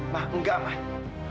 mah nggak mah